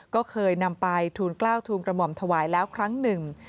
๒๕๑๙ก็เคยนำไปทุนกล้าวทุนกระบอมถวายแล้วครั้งหนึ่ง